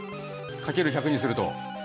掛ける１００にすると。